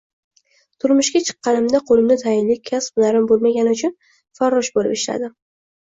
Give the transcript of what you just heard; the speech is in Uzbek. Turmushga chiqqanimda qo`limda tayinli kasb-hunarim bo`lmagani uchun farrosh bo`lib ishladim